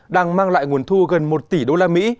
đang mang lại nguồn thu gần một tỷ đô la mỹ